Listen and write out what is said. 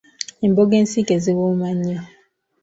Emboga ensiike ziwooma nnyo.